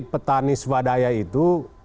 petani swadaya itu